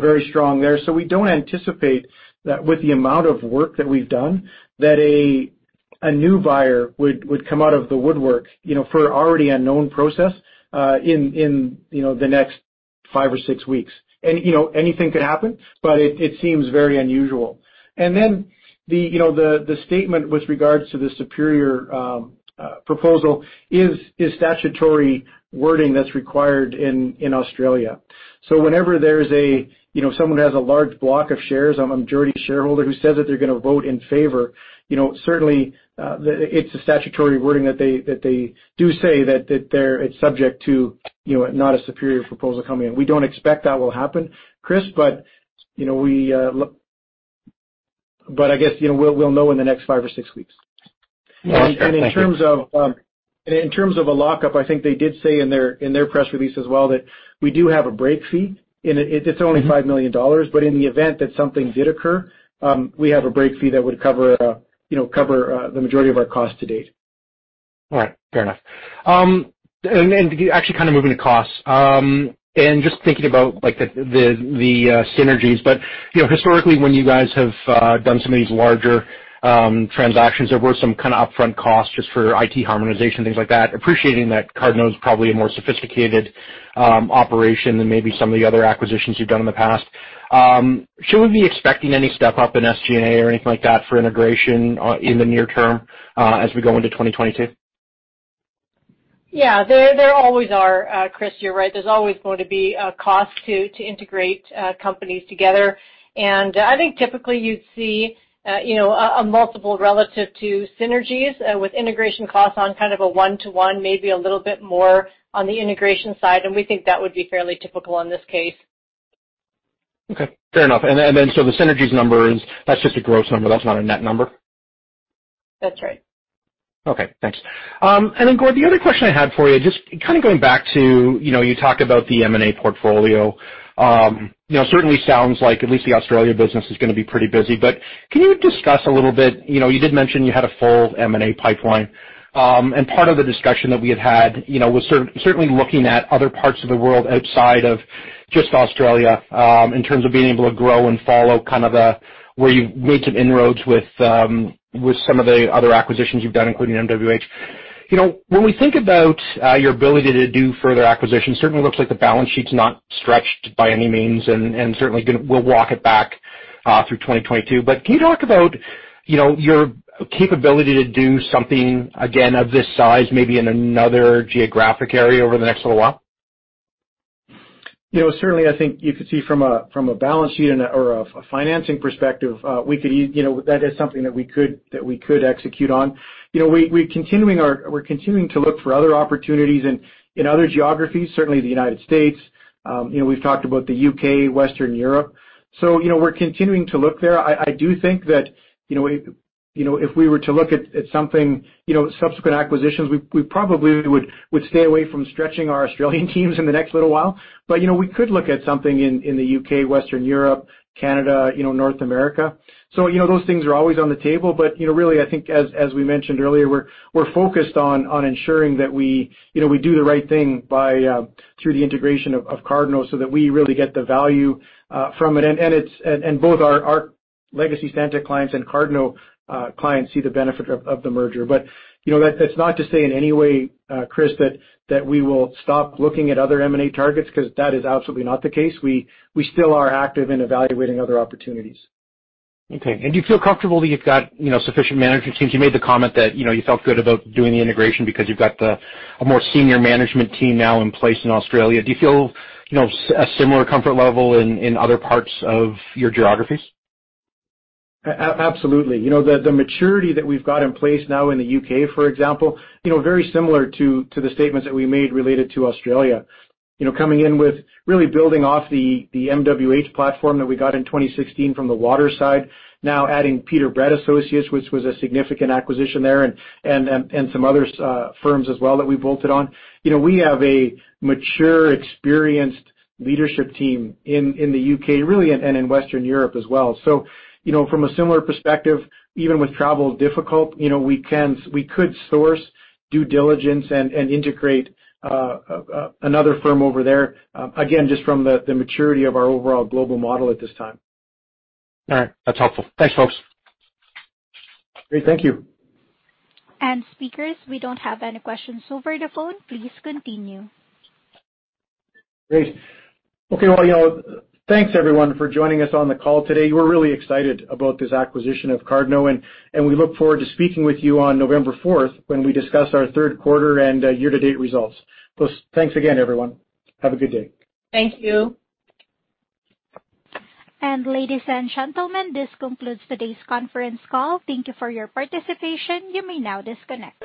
very strong there. We don't anticipate that with the amount of work that we've done, that a new buyer would come out of the woodwork for an already unknown process, in the next 5 or 6 weeks. Anything could happen, but it seems very unusual. The statement with regards to the superior proposal is statutory wording that's required in Australia. Whenever someone has a large block of shares, a majority shareholder who says that they're going to vote in favor, certainly, it's a statutory wording that they do say that it's subject to not a superior proposal coming in. We don't expect that will happen, Chris, but I guess we'll know in the next five or six weeks.
Okay. Thank you.
In terms of a lockup, I think they did say in their press release as well that we do have a break fee, and it's only 5 million dollars. In the event that something did occur, we have a break fee that would cover the majority of our cost to date.
All right. Fair enough. Actually kind of moving to costs, and just thinking about the synergies. Historically, when you guys have done some of these larger transactions, there were some kind of upfront costs just for IT harmonization, things like that. Appreciating that Cardno's probably a more sophisticated operation than maybe some of the other acquisitions you've done in the past. Should we be expecting any step-up in SG&A or anything like that for integration in the near term as we go into 2022?
Yeah, there always are, Chris, you're right. There's always going to be a cost to integrate companies together. I think typically you'd see a multiple relative to synergies with integration costs on kind of a one-to-one, maybe a little bit more on the integration side, and we think that would be fairly typical in this case.
Okay. Fair enough. The synergies number is, that's just a gross number. That's not a net number?
That's right.
Okay. Thanks. Gord, the other question I had for you, just kind of going back to, you talked about the M&A portfolio. Certainly sounds like at least the Australia business is going to be pretty busy. Can you discuss a little bit, you did mention you had a full M&A pipeline. Part of the discussion that we had had was certainly looking at other parts of the world outside of just Australia, in terms of being able to grow and follow where you've made some inroads with some of the other acquisitions you've done, including MWH. When we think about your ability to do further acquisitions, certainly looks like the balance sheet's not stretched by any means, and certainly we'll walk it back through 2022. Can you talk about your capability to do something, again, of this size, maybe in another geographic area over the next little while?
I think you could see from a balance sheet or a financing perspective, that is something that we could execute on. We're continuing to look for other opportunities in other geographies, certainly the U.S.,. We've talked about the U.K., Western Europe. We're continuing to look there. I do think that if we were to look at something, subsequent acquisitions, we probably would stay away from stretching our Australian teams in the next little while. We could look at something in the U.K., Western Europe, Canada, North America. Those things are always on the table. Really, I think, as we mentioned earlier, we're focused on ensuring that we do the right thing through the integration of Cardno so that we really get the value from it, and both our legacy Stantec clients and Cardno clients see the benefit of the merger. That's not to say in any way, Chris, that we will stop looking at other M&A targets, because that is absolutely not the case. We still are active in evaluating other opportunities.
Okay. Do you feel comfortable that you've got sufficient management teams? You made the comment that you felt good about doing the integration because you've got a more senior management team now in place in Australia. Do you feel a similar comfort level in other parts of your geographies?
Absolutely. The maturity that we've got in place now in the U.K., for example, very similar to the statements that we made related to Australia. Coming in with really building off the MWH platform that we got in 2016 from the water side. Now adding Peter Brett Associates, which was a significant acquisition there, and some other firms as well that we bolted on. We have a mature, experienced leadership team in the U.K., really, and in Western Europe as well. From a similar perspective, even with travel difficult, we could source due diligence and integrate another firm over there. Again, just from the maturity of our overall global model at this time.
All right. That's helpful. Thanks, folks.
Great. Thank you.
Speakers, we don't have any questions over the phone. Please continue.
Great. Okay. Well, thanks everyone for joining us on the call today. We're really excited about this acquisition of Cardno, and we look forward to speaking with you on November 4th when we discuss our third quarter and year-to-date results. Thanks again, everyone. Have a good day.
Thank you.
Ladies and gentlemen, this concludes today's conference call. Thank you for your participation. You may now disconnect.